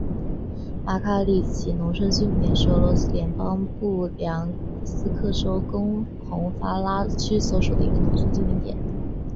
马卡里奇农村居民点是俄罗斯联邦布良斯克州红戈拉区所属的一个农村居民点。